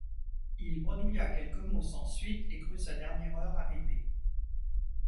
Il bredouilla quelques mots sans suite et crut sa dernière heure arrivée.